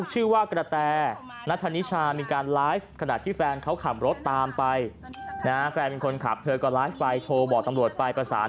แชร์หน่อยค่ะอย่าเข้าใกล้มา